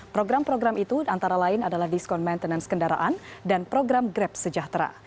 program program itu antara lain adalah diskon maintenance kendaraan dan program grab sejahtera